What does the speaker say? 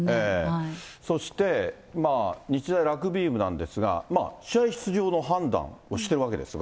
そして、日大ラグビー部なんですが、試合出場の判断をしてるわけですが。